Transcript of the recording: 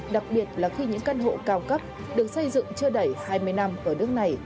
đặc biệt là khi những căn hộ cao cấp được xây dựng chưa đầy hai mươi năm ở nước này